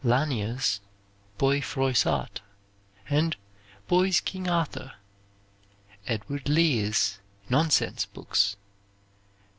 Lanier's "Boy Froissart," and "Boy's King Arthur." Edward Lear's "Nonsense Books."